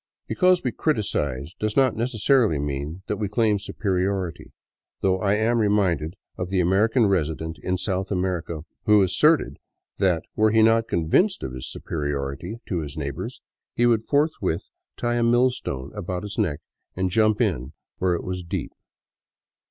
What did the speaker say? Because we criticize does not necessarily mean that we claim superiority, though I am reminded of the American resident in South America who asserted that were he not convinced of his superiority to his neighbors, he would viii A FOREWORD OF WARNING forthwith tie a mill stone about his neck and jump in where it was deep.